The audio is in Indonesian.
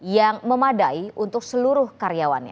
yang memadai untuk seluruh karyawannya